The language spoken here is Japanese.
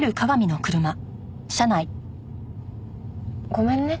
ごめんね。